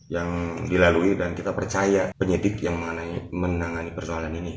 yang dilalui dan kita percaya penyidik yang menangani persoalan ini